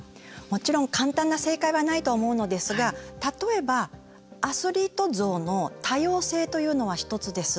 もちろん簡単な正解はないとは思うのですが、例えばアスリート像の多様性というのは１つです。